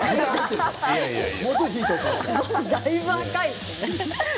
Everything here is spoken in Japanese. だいぶ赤いですよね。